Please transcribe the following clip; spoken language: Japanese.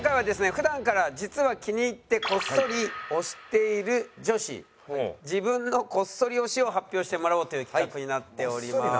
普段から実は気に入ってこっそり推している女子自分のこっそり推しを発表してもらおうという企画になっております。